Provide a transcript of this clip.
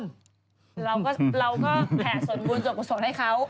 เราก็แผ่ส่วนบุญส่วนกุศลให้เขา